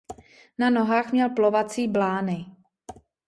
Na nohách měl plovací blány.